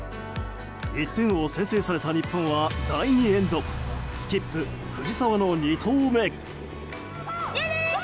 １点を先制された日本は第２エンドスキップ藤澤の２投目。